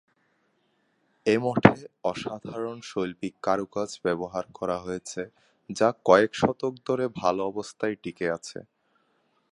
এ মঠে অসাধারণ শৈল্পিক কারুকাজ ব্যবহার করা হয়েছে যা কয়েক শতক ধরে ভালো অবস্খায় টিকে আছে।